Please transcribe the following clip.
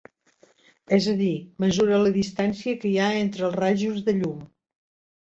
És a dir, mesura la distància que hi ha entre els rajos de llum.